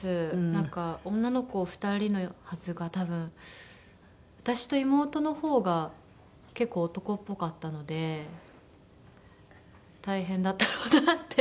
なんか女の子２人のはずが多分私と妹の方が結構男っぽかったので大変だったろうなって。